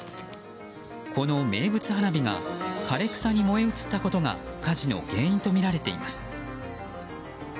この名物花火が枯れ草に燃え移ったことが火事の原因とみられています。